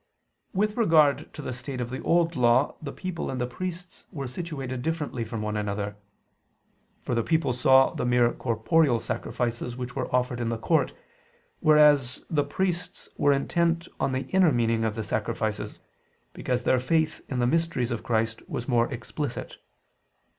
With regard to the state of the Old Law the people and the priests were situated differently from one another. For the people saw the mere corporeal sacrifices which were offered in the court: whereas the priests were intent on the inner meaning of the sacrifices, because their faith in the mysteries of Christ was more explicit.